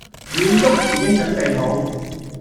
遠足前應準備好